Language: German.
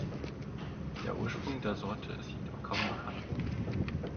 Der Ursprung der Sorte ist jedoch kaum bekannt.